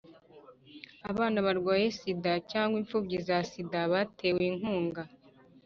Abana barwaye sida cyangwa impfubyi za sida batewe inkunga